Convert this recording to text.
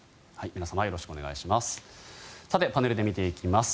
皆様よろしくお願いします。